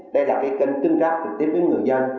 đây là cái kênh tương tác trực tiếp với người dân